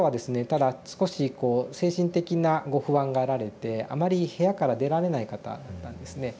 ただ少しこう精神的なご不安があられてあまり部屋から出られない方だったんですね。